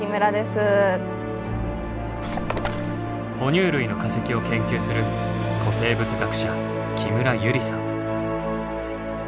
哺乳類の化石を研究する古生物学者木村由莉さん。